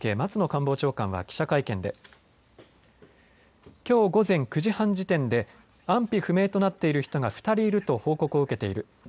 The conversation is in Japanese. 官房長官は記者会見できょう午前９時半時点で安否不明となっている人が２人いると報告を受けている。